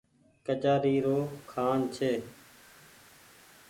ڪچآري رو کآن ڇي۔